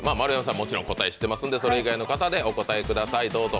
もちろん答え知ってますので、それ以外の方でお答えください。